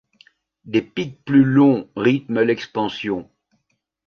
Des pics plus longs rythment l'expansion.